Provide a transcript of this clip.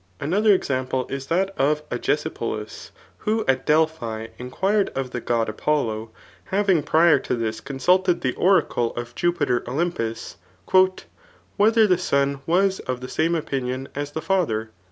Another example is that of Agesipoli^ who at Delphi inquired of the god [Apollo,] having prior to this consulted the oracle of Jupiter Olympus, '' Whether the.son was of the same opinion as the father